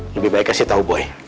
lebih baik kasih tahu boy